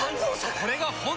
これが本当の。